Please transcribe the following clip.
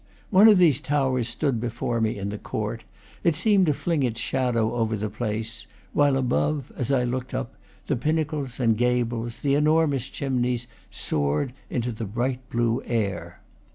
One of these towers stood before me in the court; it seemed to fling its shadow over the place; while above, as I looked up, the pinnacles and gables, the enormous chimneys, soared into the bright blue air.